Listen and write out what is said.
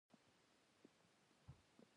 باید د نورو خلکو له شرمه عام نکړای شي.